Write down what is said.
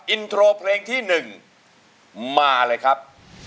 อินโทรเพลงที่๑มาเลยครับ